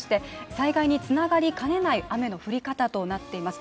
災害につながりかねない雨の降り方となっています。